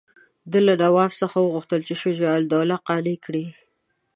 ده له نواب څخه وغوښتل چې شجاع الدوله قانع کړي.